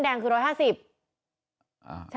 มันทำสายขนาดไหนครับช่วยติดตามหน่อยครับ